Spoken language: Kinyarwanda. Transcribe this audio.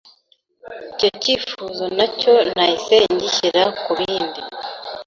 Icyo cyifuzo nacyo nahise ngishyira ku bindi,